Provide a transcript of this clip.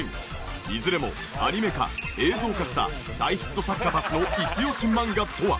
いずれもアニメ化映像化した大ヒット作家たちのイチオシ漫画とは？